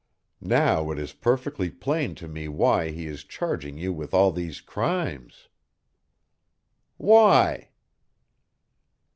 Now it is perfectly plain to me why he is charging you with all these crimes." "Why?"